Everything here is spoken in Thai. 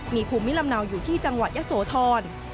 มีภูมิลำเนาอยู่ที่จังหวัดยะโสธร